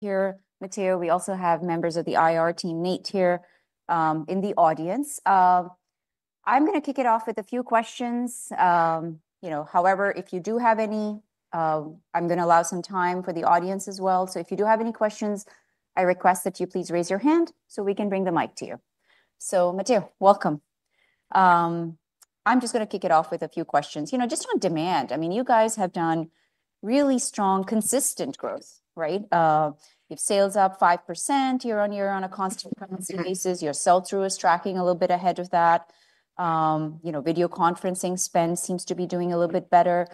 Here, Matteo. We also have members of the IR team, Nate, here in the audience. I'm going to kick it off with a few questions. However, if you do have any, I'm going to allow some time for the audience as well. If you do have any questions, I request that you please raise your hand so we can bring the mic to you. Matteo, welcome. I'm just going to kick it off with a few questions. Just on demand, I mean, you guys have done really strong, consistent growth, right? You've sales up 5% year on year on a constant basis. Your sell-through is tracking a little bit ahead of that. Video conferencing spend seems to be doing a little bit better.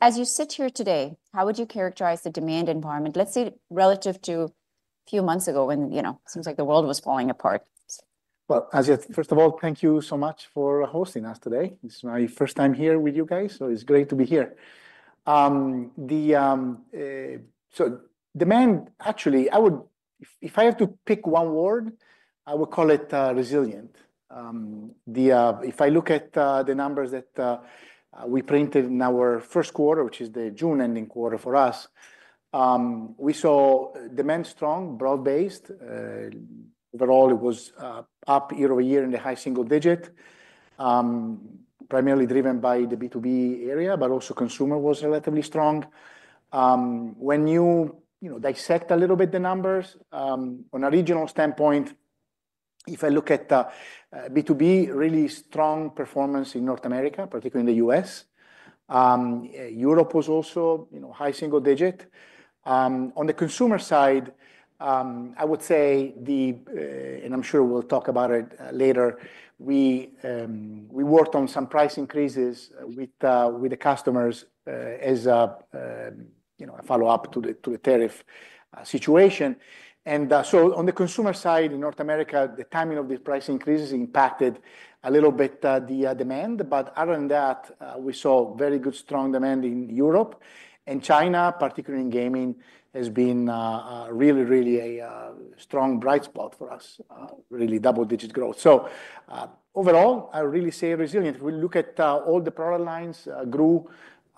As you sit here today, how would you characterize the demand environment, let's say, relative to a few months ago when it seems like the world was falling apart? First of all, thank you so much for hosting us today. It's my first time here with you guys, so it's great to be here. The demand, actually, if I have to pick one word, I would call it resilient. If I look at the numbers that we printed in our first quarter, which is the June ending quarter for us, we saw demand strong, broad-based. Overall, it was up year over year in the high single digit, primarily driven by the B2B area, but also consumer was relatively strong. When you dissect a little bit the numbers on a regional standpoint, if I look at B2B, really strong performance in North America, particularly in the U.S. Europe was also high single digit. On the consumer side, I would say, and I'm sure we'll talk about it later, we worked on some price increases with the customers as a follow-up to the tariff situation. On the consumer side in North America, the timing of the price increases impacted a little bit the demand. Other than that, we saw very good, strong demand in Europe. China, particularly in gaming, has been really, really a strong bright spot for us, really double-digit growth. Overall, I really say resilient. If we look at all the product lines, grew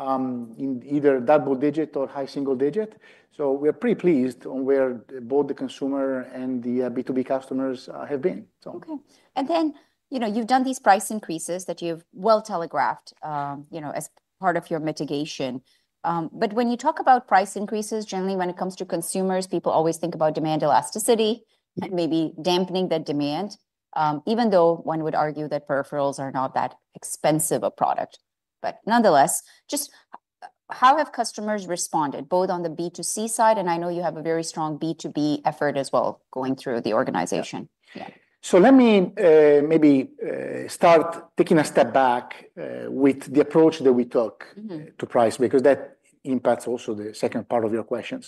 in either double-digit or high single digit, so we're pretty pleased on where both the consumer and the B2B customers have been. OK. You've done these price increases that you've well telegraphed as part of your mitigation. When you talk about price increases, generally when it comes to consumers, people always think about demand elasticity and maybe dampening that demand, even though one would argue that peripherals are not that expensive a product. Nonetheless, just how have customers responded, both on the B2C side? I know you have a very strong B2B effort as well going through the organization. Let me maybe start taking a step back with the approach that we took to price, because that impacts also the second part of your question.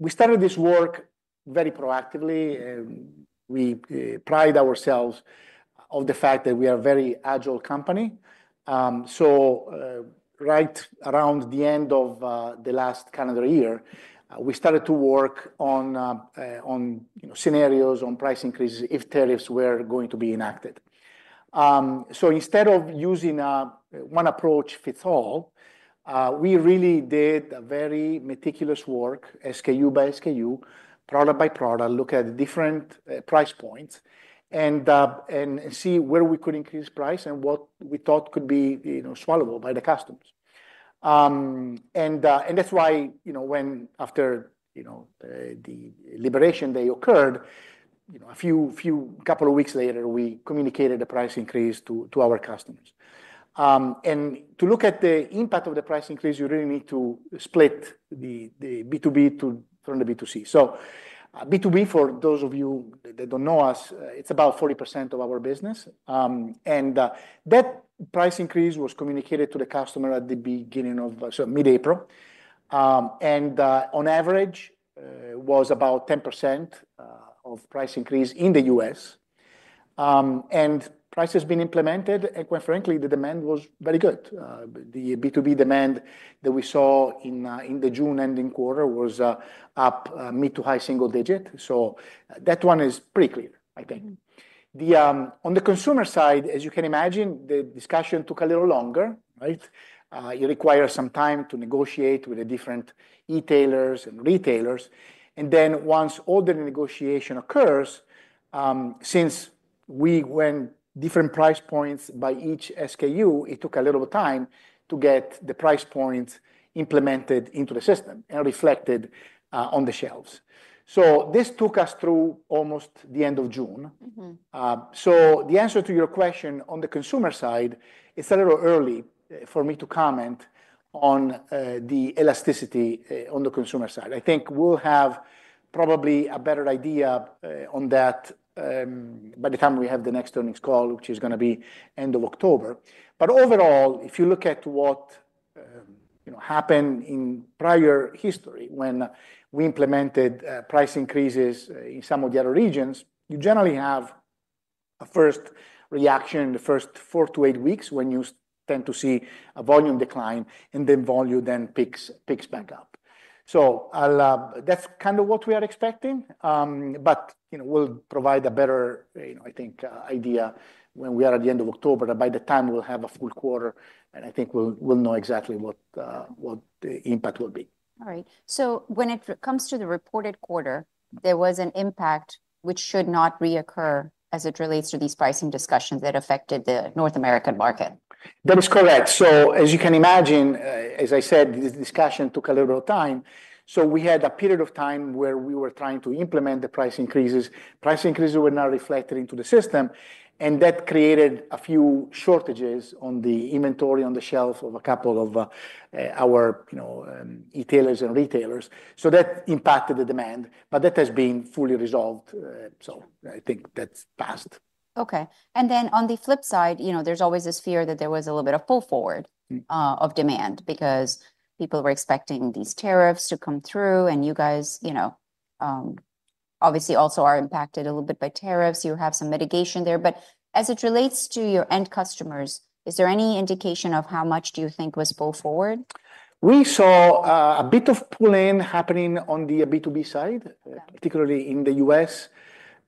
We started this work very proactively. We pride ourselves on the fact that we are a very agile company. Right around the end of the last calendar year, we started to work on scenarios on price increases if tariffs were going to be enacted. Instead of using one approach fits all, we really did a very meticulous work, SKU by SKU, product by product, looking at the different price points and seeing where we could increase price and what we thought could be swallowable by the customers. That is why, when after the liberation day occurred, a few couple of weeks later, we communicated the price increase to our customers. To look at the impact of the price increase, you really need to split the B2B from the B2C. B2B, for those of you that don't know us, is about 40% of our business. That price increase was communicated to the customer at the beginning of mid-April. On average, it was about 10% of price increase in the U.S., and price has been implemented. Quite frankly, the demand was very good. The B2B demand that we saw in the June ending quarter was up mid to high single digit. That one is pretty clear, I think. On the consumer side, as you can imagine, the discussion took a little longer. It requires some time to negotiate with the different retailers. Once all the negotiation occurs, since we went different price points by each SKU, it took a little time to get the price points implemented into the system and reflected on the shelves. This took us through almost the end of June. The answer to your question on the consumer side, it's a little early for me to comment on the elasticity on the consumer side. I think we'll have probably a better idea on that by the time we have the next earnings call, which is going to be end of October. Overall, if you look at what happened in prior history when we implemented price increases in some of the other regions, you generally have a first reaction in the first four to eight weeks when you tend to see a volume decline, and then volume then picks back up. That is kind of what we are expecting. We'll provide a better, I think, idea when we are at the end of October. By the time we'll have a full quarter, I think we'll know exactly what the impact will be. All right. When it comes to the reported quarter, there was an impact which should not reoccur as it relates to these pricing discussions that affected the North American market. That is correct. As you can imagine, as I said, the discussion took a little bit of time. We had a period of time where we were trying to implement the price increases. Price increases were not reflected into the system, and that created a few shortages on the inventory on the shelf of a couple of our retailers. That impacted the demand, but that has been fully resolved. I think that's passed. OK. On the flip side, you know, there's always this fear that there was a little bit of pull forward of demand because people were expecting these tariffs to come through. You guys, you know, obviously also are impacted a little bit by tariffs. You have some mitigation there. As it relates to your end customers, is there any indication of how much do you think was pulled forward? We saw a bit of pull-in happening on the B2B side, particularly in the U.S.,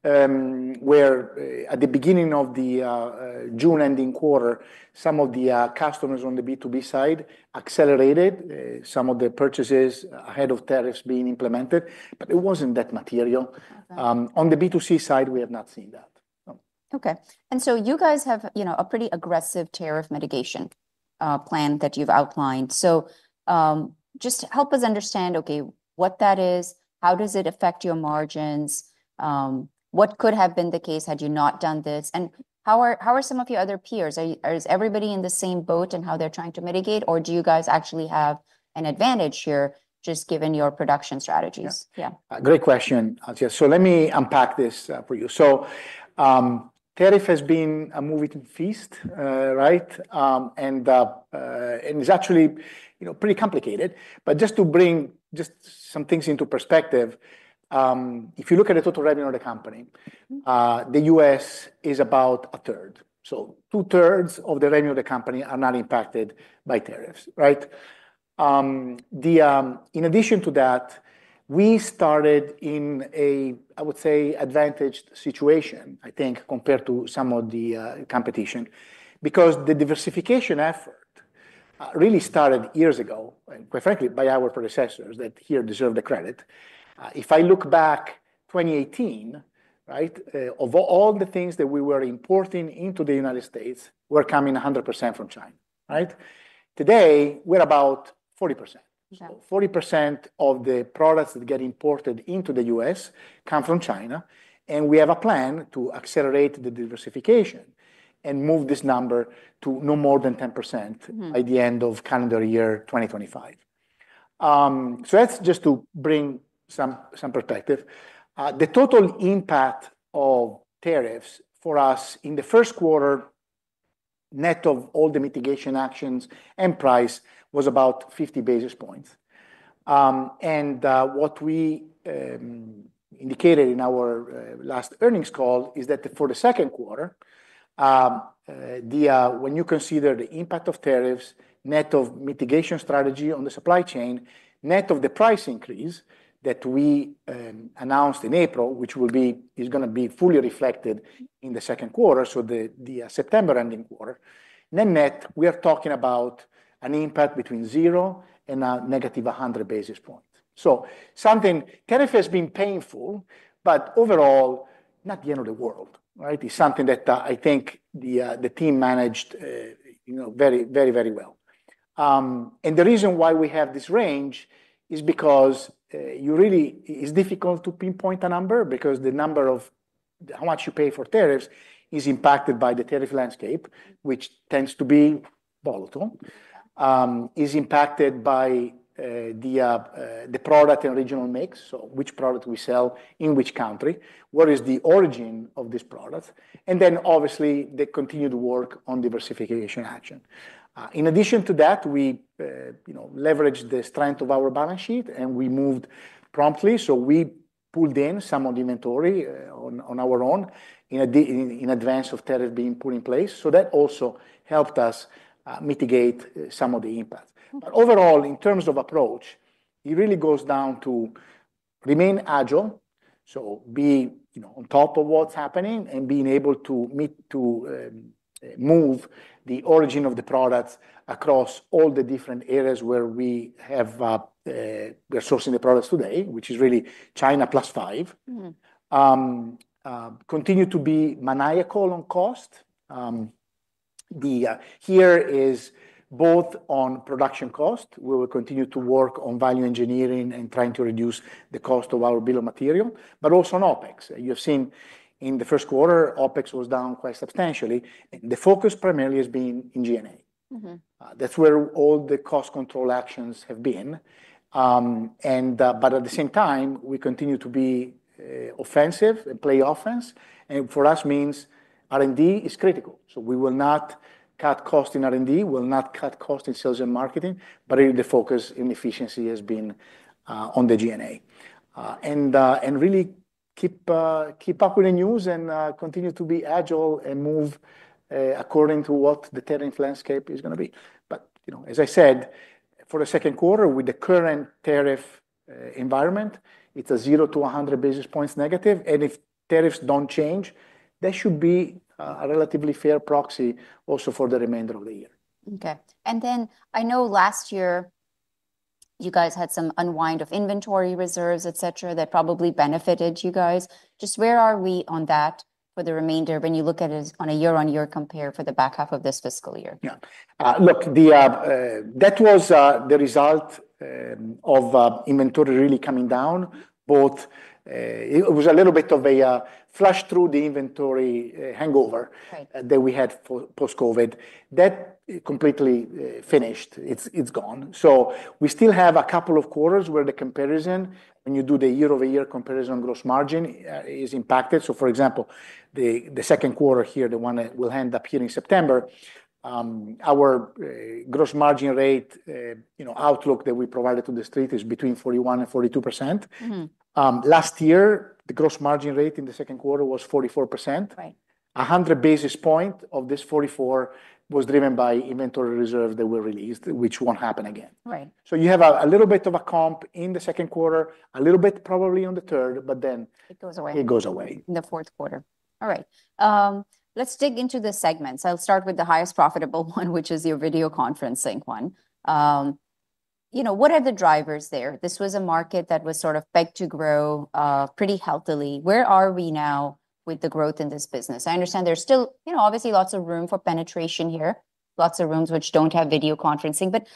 where at the beginning of the June ending quarter, some of the customers on the B2B side accelerated some of the purchases ahead of tariffs being implemented. It wasn't that material. On the B2C side, we have not seen that. You guys have a pretty aggressive tariff mitigation plan that you've outlined. Help us understand what that is. How does it affect your margins? What could have been the case had you not done this? How are some of your other peers? Is everybody in the same boat in how they're trying to mitigate, or do you guys actually have an advantage here just given your production strategies? Yeah. Great question, Agostino. Let me unpack this for you. Tariff has been a moving feast, right? It's actually pretty complicated. Just to bring some things into perspective, if you look at the total revenue of the company, the U.S. is about a third. 2/3 of the revenue of the company are not impacted by tariffs, right? In addition to that, we started in a, I would say, advantaged situation, I think, compared to some of the competition because the diversification effort really started years ago, and quite frankly, by our predecessors that here deserve the credit. If I look back, 2018, right, of all the things that we were importing into the United States, were coming 100% from China, right? Today, we're about 40%. 40% of the products that get imported into the U.S. come from China. We have a plan to accelerate the diversification and move this number to no more than 10% by the end of calendar year 2025. That's just to bring some perspective. The total impact of tariffs for us in the first quarter, net of all the mitigation actions and price, was about 50 basis points. What we indicated in our last earnings call is that for the second quarter, when you consider the impact of tariffs, net of mitigation strategy on the supply chain, net of the price increase that we announced in April, which is going to be fully reflected in the second quarter, the September ending quarter, net net, we are talking about an impact between 0 and -100 basis points. Tariff has been painful, but overall, not the end of the world, right? It's something that I think the team managed very, very, very well. The reason why we have this range is because it's difficult to pinpoint a number because the number of how much you pay for tariffs is impacted by the tariff landscape, which tends to be volatile, is impacted by the product and regional mix, so which product we sell in which country, what is the origin of this product, and then obviously the continued work on diversification action. In addition to that, we leveraged the strength of our balance sheet and we moved promptly. We pulled in some of the inventory on our own in advance of tariffs being put in place. That also helped us mitigate some of the impacts. Overall, in terms of approach, it really goes down to remain agile, so be on top of what's happening and being able to move the origin of the products across all the different areas where we have sourcing the products today, which is really China plus five. Continue to be maniacal on cost. Here is both on production cost. We will continue to work on value engineering and trying to reduce the cost of our bill of material, but also on OpEx. You have seen in the first quarter, OpEx was down quite substantially. The focus primarily has been in G&A. That's where all the cost control actions have been. At the same time, we continue to be offensive, play offense. For us, it means R&D is critical. We will not cut costs in R&D. We will not cut costs in sales and marketing. The focus in efficiency has been on the G&A. Really keep up with the news and continue to be agile and move according to what the tariff landscape is going to be. As I said, for the second quarter, with the current tariff environment, it's a 0 to 100 basis points negative. If tariffs don't change, that should be a relatively fair proxy also for the remainder of the year. OK. I know last year you guys had some unwind of inventory reserves, et cetera, that probably benefited you guys. Just where are we on that for the remainder when you look at it on a year-on-year compare for the back half of this fiscal year? Yeah. Look, that was the result of inventory really coming down. It was a little bit of a flush through the inventory hangover that we had post-COVID. That completely finished. It's gone. We still have a couple of quarters where the comparison, when you do the year-over-year comparison on gross margin, is impacted. For example, the second quarter here, the one that will end up here in September, our gross margin rate outlook that we provided to the street is between 41% and 42%. Last year, the gross margin rate in the second quarter was 44%. 100 basis point of this 44% was driven by inventory reserves that were released, which won't happen again. You have a little bit of a comp in the second quarter, a little bit probably on the third, but then. It goes away. It goes away. In the fourth quarter. All right. Let's dig into the segments. I'll start with the highest profitable one, which is your video collaboration segment. You know, what are the drivers there? This was a market that was sort of pegged to grow pretty healthily. Where are we now with the growth in this business? I understand there's still, you know, obviously lots of room for penetration here, lots of rooms which don't have video conferencing.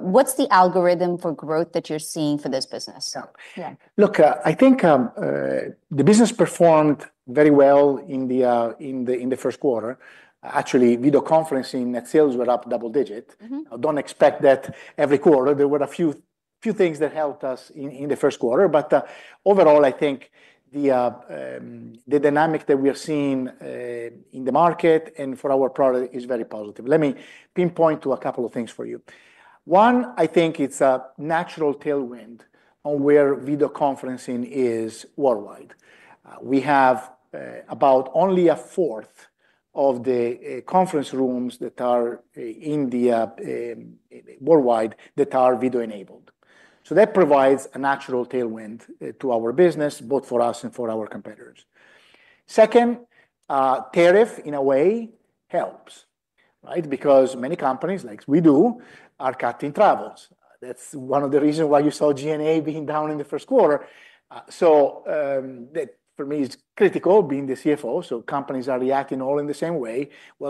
What's the algorithm for growth that you're seeing for this business? Yeah. Look, I think the business performed very well in the first quarter. Actually, video conferencing net sales were up double digit. I don't expect that every quarter. There were a few things that helped us in the first quarter. Overall, I think the dynamic that we are seeing in the market and for our product is very positive. Let me pinpoint a couple of things for you. One, I think it's a natural tailwind on where video conferencing is worldwide. We have about only a fourth of the conference rooms that are worldwide that are video enabled. That provides a natural tailwind to our business, both for us and for our competitors. Second, tariff, in a way, helps, right? Because many companies, like we do, are cutting travels. That's one of the reasons why you saw G&A being down in the first quarter. That, for me, is critical being the CFO. Companies are reacting all in the same way.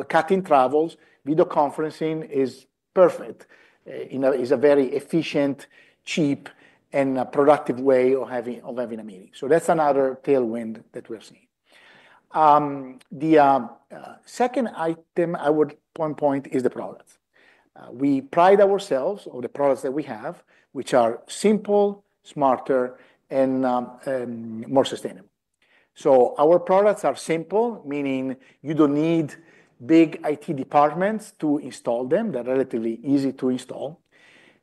Cutting travels, video conferencing is perfect. It's a very efficient, cheap, and productive way of having a meeting. That's another tailwind that we're seeing. The second item I would point is the products. We pride ourselves on the products that we have, which are simple, smarter, and more sustainable. Our products are simple, meaning you don't need big IT departments to install them. They're relatively easy to install.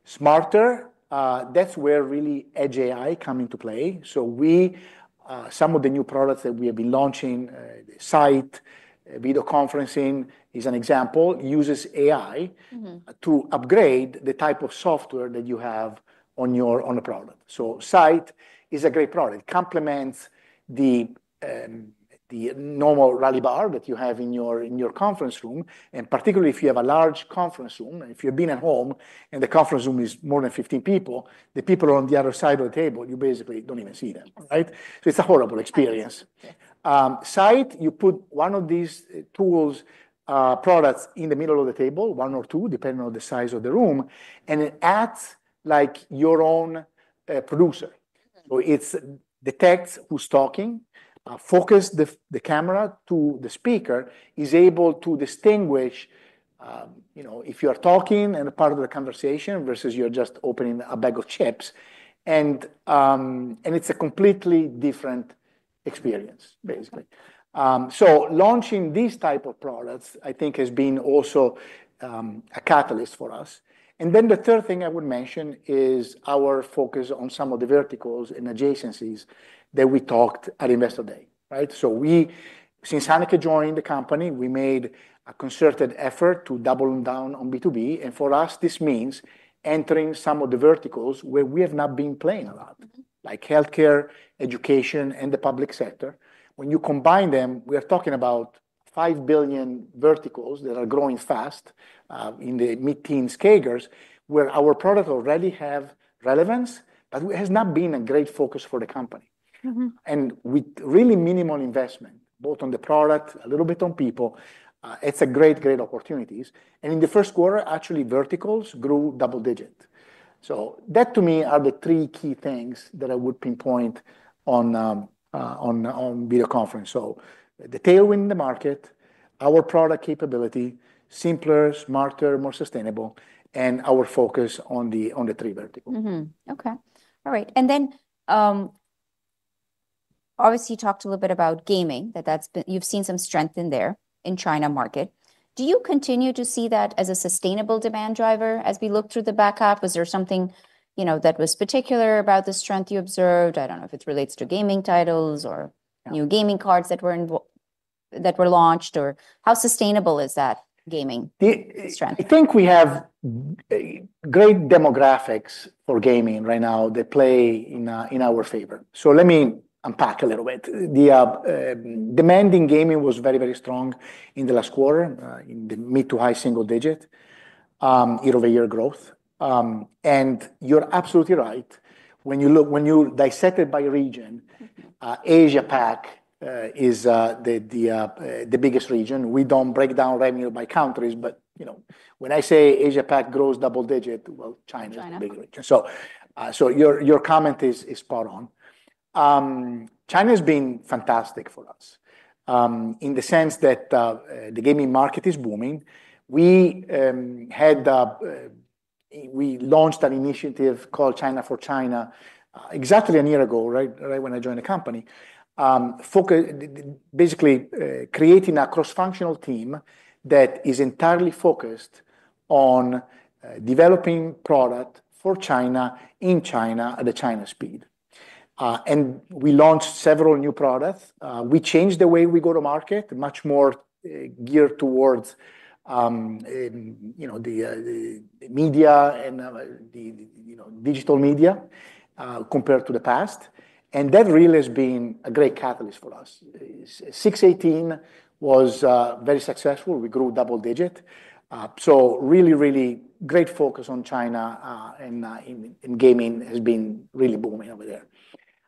Smarter, that's where really edge AI comes into play. Some of the new products that we have been launching, Sight video conferencing is an example, uses AI to upgrade the type of software that you have on your product. Sight is a great product. It complements the normal Rally Bar that you have in your conference room. Particularly if you have a large conference room, and if you've been at home and the conference room is more than 15 people, the people on the other side of the table, you basically don't even see them, right? It's a horrible experience. Sight, you put one of these tools, products in the middle of the table, one or two, depending on the size of the room. It acts like your own producer. It detects who's talking, focuses the camera to the speaker, is able to distinguish if you are talking and a part of the conversation versus you're just opening a bag of chips. It's a completely different experience, basically. Launching these types of products, I think, has been also a catalyst for us. The third thing I would mention is our focus on some of the verticals and adjacencies that we talked at Investor Day. Since Hanneke joined the company, we made a concerted effort to double down on B2B. For us, this means entering some of the verticals where we have not been playing a lot, like health care, education, and the public sector. When you combine them, we are talking about $5 billion verticals that are growing fast in the mid-teens CAGR, where our products already have relevance, but it has not been a great focus for the company. With really minimal investment, both on the product, a little bit on people, it's a great, great opportunity. In the first quarter, actually, verticals grew double digit. That, to me, are the three key things that I would pinpoint on video conference. The tailwind in the market, our product capability, simpler, smarter, more sustainable, and our focus on the three verticals. All right. Obviously, you talked a little bit about gaming, that you've seen some strength in there in the China market. Do you continue to see that as a sustainable demand driver as we look through the back half? Was there something that was particular about the strength you observed? I don't know if it relates to gaming titles or new gaming cards that were launched. How sustainable is that gaming strength? I think we have great demographics for gaming right now that play in our favor. Let me unpack a little bit. The demand in gaming was very, very strong in the last quarter in the mid to high single digit year-over-year growth. You're absolutely right. When you dissect it by region, APAC is the biggest region. We don't break down revenue by countries. When I say APAC grows double digit, China. China. Your comment is spot on. China has been fantastic for us in the sense that the gaming market is booming. We launched an initiative called China for China exactly a year ago, right when I joined the company, basically creating a cross-functional team that is entirely focused on developing products for China in China at the China speed. We launched several new products. We changed the way we go to market, much more geared towards the media and digital media compared to the past. That really has been a great catalyst for us. 618 was very successful. We grew double digit. Really, really great focus on China. Gaming has been really booming over there.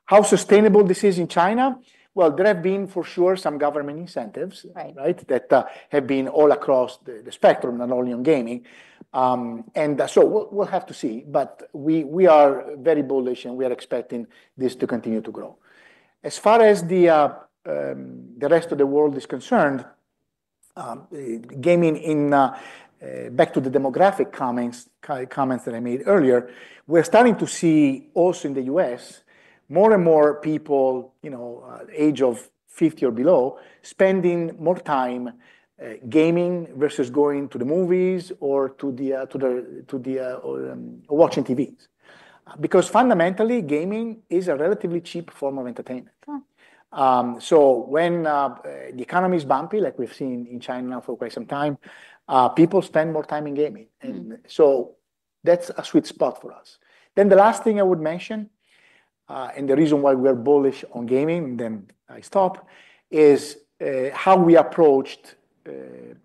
How sustainable this is in China? There have been for sure some government incentives that have been all across the spectrum, not only on gaming. We will have to see. We are very bullish, and we are expecting this to continue to grow. As far as the rest of the world is concerned, back to the demographic comments that I made earlier, we're starting to see also in the U.S. more and more people, you know, age of 50 or below, spending more time gaming versus going to the movies or watching TV. Fundamentally, gaming is a relatively cheap form of entertainment. When the economy is bumpy, like we've seen in China for quite some time, people spend more time in gaming. That is a sweet spot for us. The last thing I would mention, and the reason why we are bullish on gaming, and then I stop, is how we approached,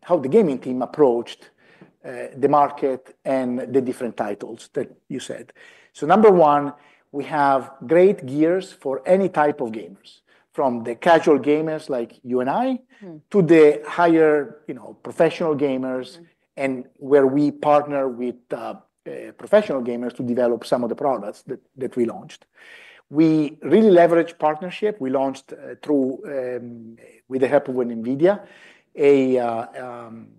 how the gaming team approached the market and the different titles that you said. Number one, we have great gears for any type of gamers, from the casual gamers like you and I to the higher professional gamers, and where we partner with professional gamers to develop some of the products that we launched. We really leverage partnership. We launched through, with the help of NVIDIA, an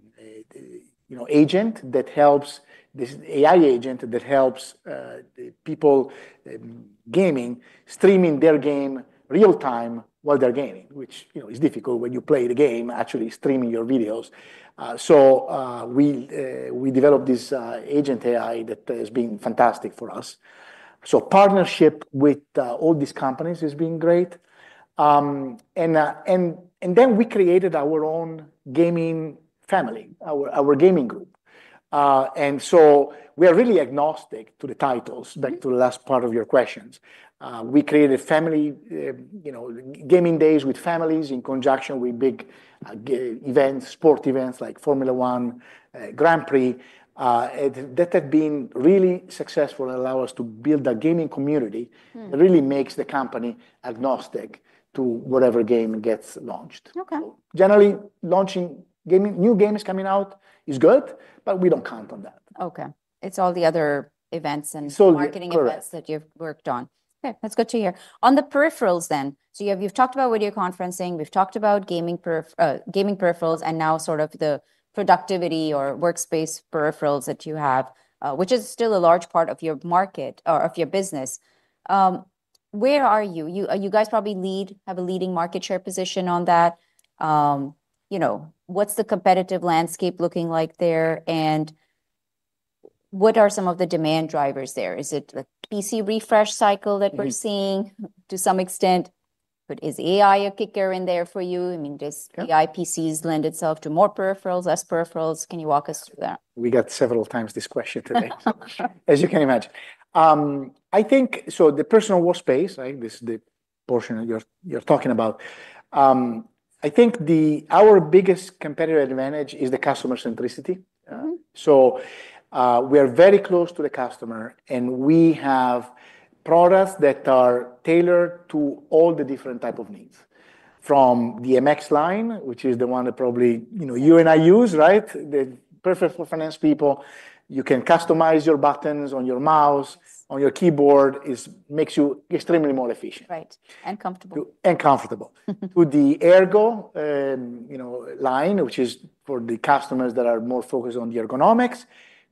agent that helps, this AI agent that helps people gaming streaming their game real time while they're gaming, which is difficult when you play the game, actually streaming your videos. We developed this agent AI that has been fantastic for us. Partnership with all these companies has been great. We created our own gaming family, our gaming group. We are really agnostic to the titles, back to the last part of your questions. We created family gaming days with families in conjunction with big events, sport events like Formula One, Grand Prix. That had been really successful and allowed us to build a gaming community. It really makes the company agnostic to whatever game gets launched. Generally, launching new games coming out is good, but we don't count on that. OK. It's all the other events and marketing events that you've worked on. OK. That's good to hear. On the peripherals then, you've talked about video conferencing. We've talked about gaming peripherals and now sort of the productivity or workspace peripherals that you have, which is still a large part of your market or of your business. Where are you? You guys probably have a leading market share position on that. What's the competitive landscape looking like there? What are some of the demand drivers there? Is it the PC refresh cycle that we're seeing to some extent? Is AI a kicker in there for you? I mean, does AI PCs lend itself to more peripherals, less peripherals? Can you walk us through that? We got several times this question today, as you can imagine. I think the personal workspace, this is the portion you're talking about. I think our biggest competitive advantage is the customer centricity. We are very close to the customer, and we have products that are tailored to all the different types of needs, from the MX line, which is the one that probably you and I use, right? The peripheral for finance people. You can customize your buttons on your mouse, on your keyboard. It makes you extremely more efficient. Right, and comfortable. To the Ergo line, which is for the customers that are more focused on the ergonomics,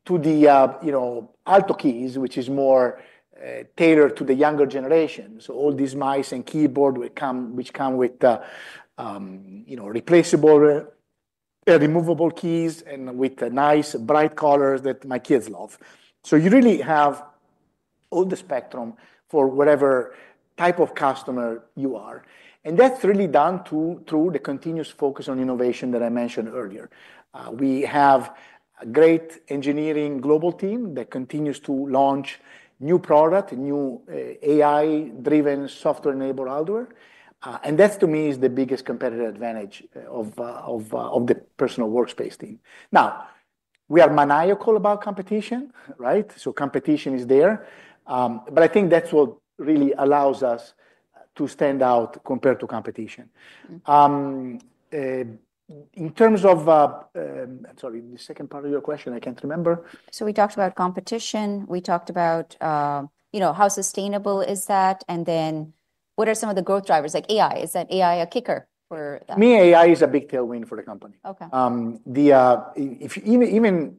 to the Alto Keys, which is more tailored to the younger generation. All these mice and keyboards come with replaceable, removable keys and with nice, bright colors that my kids love. You really have all the spectrum for whatever type of customer you are. That is really done through the continuous focus on innovation that I mentioned earlier. We have a great engineering global team that continues to launch new products and new AI-driven software-enabled hardware. That, to me, is the biggest competitive advantage of the personal workspace team. We are maniacal about competition, right? Competition is there. I think that's what really allows us to stand out compared to competition. In terms of, sorry, the second part of your question, I can't remember. We talked about competition. We talked about how sustainable is that. What are some of the growth drivers, like AI? Is that AI a kicker for that? AI is a big tailwind for the company. OK. Even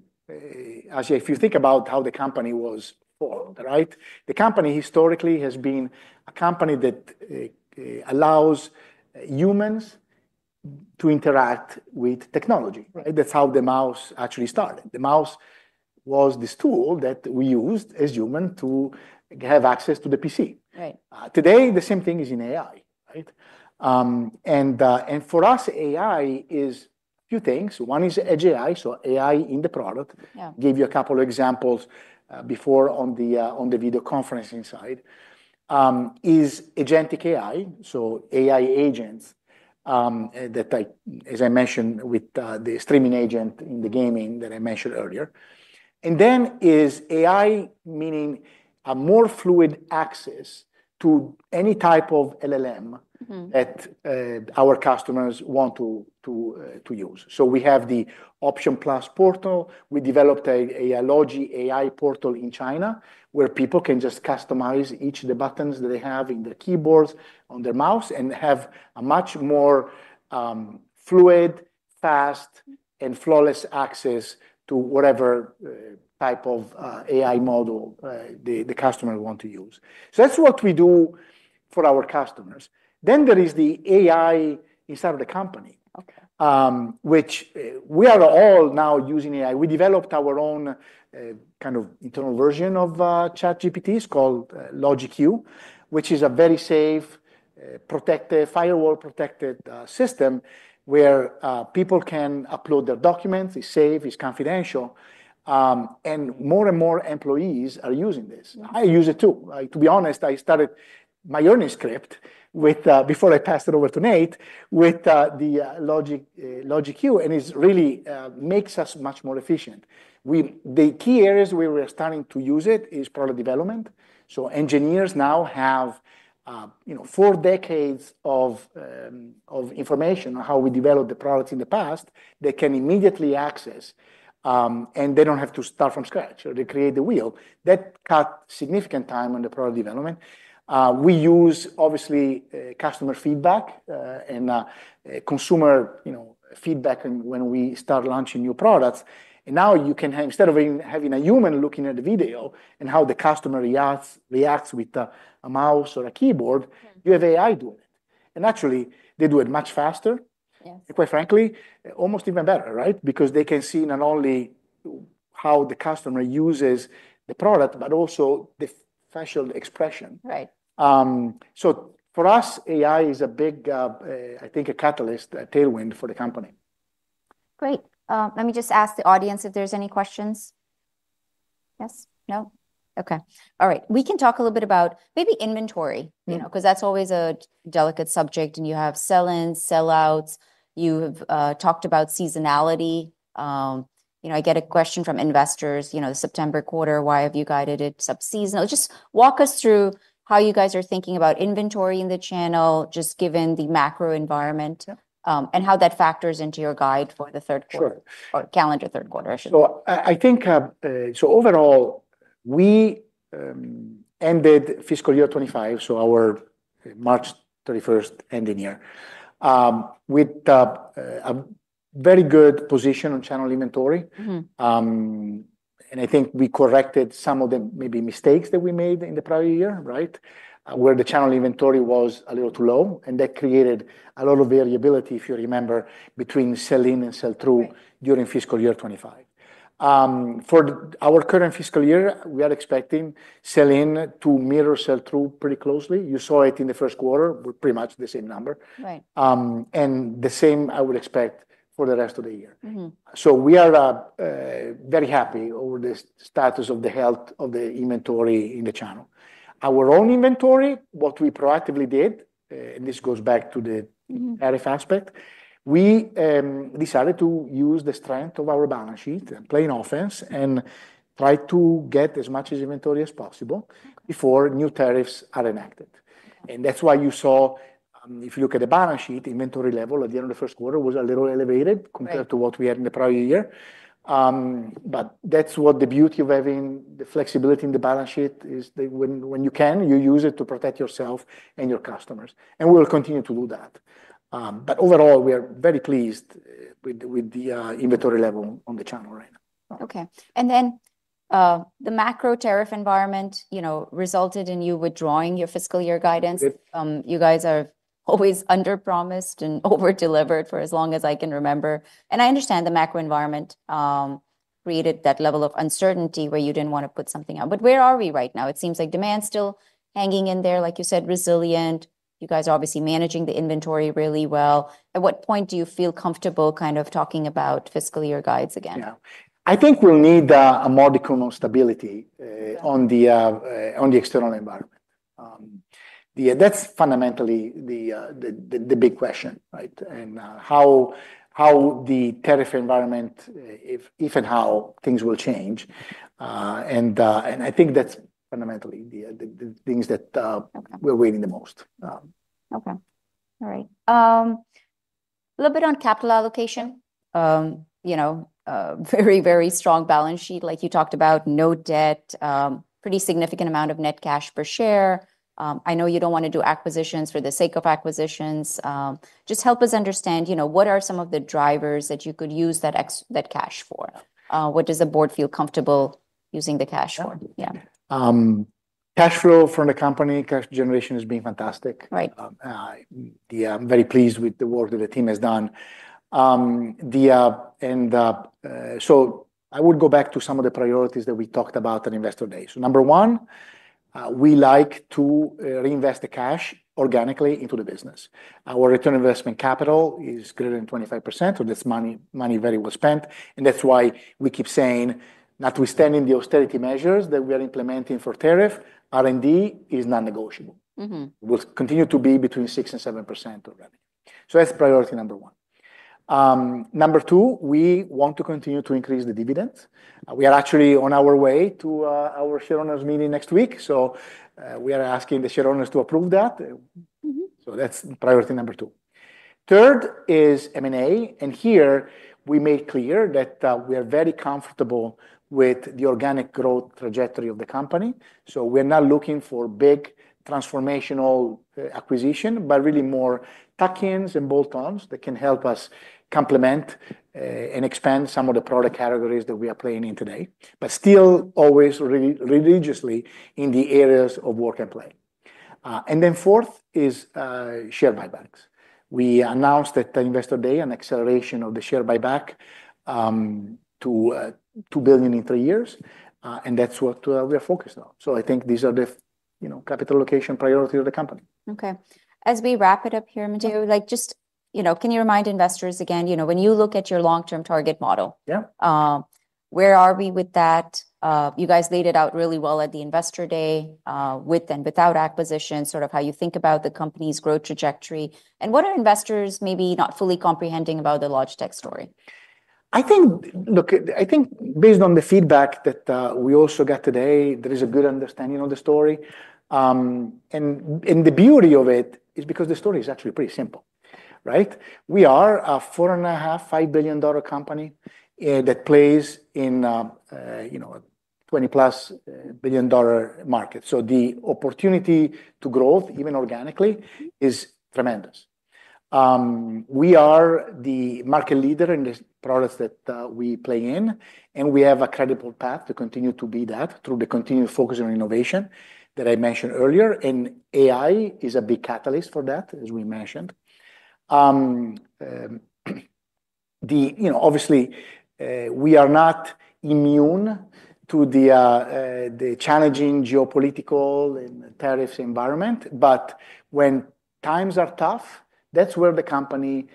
actually, if you think about how the company was formed, right? The company historically has been a company that allows humans to interact with technology. That's how the mouse actually started. The mouse was this tool that we used as humans to have access to the PC. Today, the same thing is in AI. For us, AI is a few things. One is edge AI, so AI in the product. I gave you a couple of examples before on the video conferencing side. It's agentic AI, so AI agents, as I mentioned with the streaming agent in the gaming that I mentioned earlier. AI also means a more fluid access to any type of LLM that our customers want to use. We have the Options+ portal. We developed a Logi AI portal in China where people can just customize each of the buttons that they have in their keyboards, on their mouse, and have a much more fluid, fast, and flawless access to whatever type of AI model the customers want to use. That's what we do for our customers. There is the AI inside of the company, which we are all now using AI. We developed our own kind of internal version of ChatGPT. It's called LogiQ, which is a very safe, firewall-protected system where people can upload their documents. It's safe. It's confidential. More and more employees are using this. I use it too. To be honest, I started my own script before I passed it over to Nate with the LogiQ. It really makes us much more efficient. The key areas where we're starting to use it is product development. Engineers now have four decades of information on how we developed the products in the past. They can immediately access, and they don't have to start from scratch or recreate the wheel. That cuts significant time on the product development. We use, obviously, customer feedback and consumer feedback when we start launching new products. Now you can, instead of having a human looking at the video and how the customer reacts with a mouse or a keyboard, have AI doing it. Actually, they do it much faster. Quite frankly, almost even better, right? Because they can see not only how the customer uses the product, but also the facial expression. Right. AI is a big, I think, a catalyst, a tailwind for the company. Great. Let me just ask the audience if there's any questions. Yes? No? OK. All right. We can talk a little bit about maybe inventory, because that's always a delicate subject. You have sell-ins, sell-outs. You have talked about seasonality. I get a question from investors, the September quarter, why have you guided it subseasonal? Just walk us through how you guys are thinking about inventory in the channel, given the macro environment, and how that factors into your guide for the third quarter or calendar third quarter, I should say. Overall, we ended fiscal year 2025, our March 31st ending year, with a very good position on channel inventory. I think we corrected some of the maybe mistakes that we made in the prior year, where the channel inventory was a little too low. That created a lot of variability, if you remember, between sell-in and sell-through during fiscal year 2025. For our current fiscal year, we are expecting sell-in to mirror sell-through pretty closely. You saw it in the first quarter, pretty much the same number, and the same I would expect for the rest of the year. We are very happy over the status of the health of the inventory in the channel. Our own inventory, what we proactively did, and this goes back to the tariff aspect, we decided to use the strength of our balance sheet, playing offense, and try to get as much inventory as possible before new tariffs are enacted. That is why you saw, if you look at the balance sheet, inventory level at the end of the first quarter was a little elevated compared to what we had in the prior year. That is the beauty of having the flexibility in the balance sheet, that when you can, you use it to protect yourself and your customers. We will continue to do that. Overall, we are very pleased with the inventory level on the channel right now. OK. The macro tariff environment resulted in you withdrawing your fiscal year guidance. You guys have always under-promised and over-delivered for as long as I can remember. I understand the macro environment created that level of uncertainty where you didn't want to put something out. Where are we right now? It seems like demand is still hanging in there. Like you said, resilient. You guys are obviously managing the inventory really well. At what point do you feel comfortable kind of talking about fiscal year guides again? I think we'll need a modicum of stability in the external environment. That's fundamentally the big question, right? How the tariff environment, if and how, things will change. I think that's fundamentally the things that we're waiting the most. OK. All right. A little bit on capital allocation. Very, very strong balance sheet, like you talked about, no debt, pretty significant amount of net cash per share. I know you don't want to do acquisitions for the sake of acquisitions. Just help us understand what are some of the drivers that you could use that cash for? What does the board feel comfortable using the cash for? Yeah, cash flow from the company, cash generation has been fantastic. Right. I'm very pleased with the work that the team has done. I would go back to some of the priorities that we talked about at Investor Day. Number one, we like to reinvest the cash organically into the business. Our return on investment capital is greater than 25%. This money is very well spent. That's why we keep saying, notwithstanding the austerity measures that we are implementing for tariff, R&D is non-negotiable. We'll continue to be between 6% and 7% of that. That's priority number one. Number two, we want to continue to increase the dividends. We are actually on our way to our shareowners' meeting next week. We are asking the shareowners to approve that. That's priority number two. Third is M&A. We made clear that we are very comfortable with the organic growth trajectory of the company. We're not looking for big transformational acquisition, but really more tuck-ins and bolt-ons that can help us complement and expand some of the product categories that we are playing in today, but still always religiously in the areas of work and play. Fourth is share buybacks. We announced at Investor Day an acceleration of the share buyback to $2 billion in three years. That's what we are focused on. I think these are the capital allocation priorities of the company. OK. As we wrap it up here, Matteo, just can you remind investors again, you know, when you look at your long-term target model, where are we with that? You guys laid it out really well at the Investor Day, with and without acquisitions, sort of how you think about the company's growth trajectory. What are investors maybe not fully comprehending about the Logitech story? I think, look, I think based on the feedback that we also got today, there is a good understanding of the story. The beauty of it is because the story is actually pretty simple, right? We are a $4.5 billion company that plays in a $20+ billion market. The opportunity to growth, even organically, is tremendous. We are the market leader in the products that we play in, and we have a credible path to continue to be that through the continued focus on innovation that I mentioned earlier. AI is a big catalyst for that, as we mentioned. Obviously, we are not immune to the challenging geopolitical and tariffs environment. When times are tough, that's where the company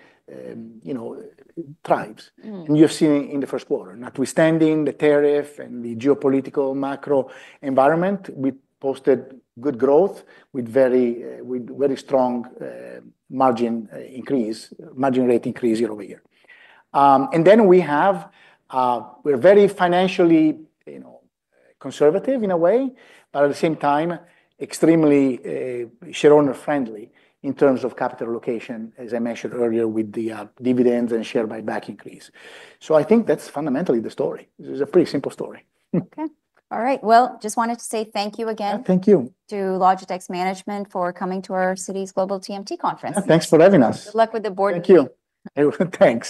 thrives. You've seen in the first quarter, notwithstanding the tariff and the geopolitical macro environment, we posted good growth with very strong margin rate increase year-over-year. We are very financially conservative in a way, but at the same time, extremely shareowner-friendly in terms of capital allocation, as I mentioned earlier, with the dividends and share buyback increase. I think that's fundamentally the story. It is a pretty simple story. OK. All right. I just wanted to say thank you again. Thank you. To Logitech's management for coming to our Citi's Global TMT Conference. Thanks for having us. Good luck with the board meeting. Thank you. Thanks.